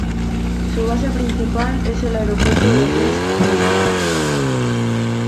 Su base principal es el aeropuerto de East Midlands.